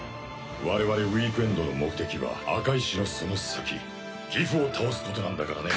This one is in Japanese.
我々ウィークエンドの目的は赤石のその先ギフを倒すことなんだからね。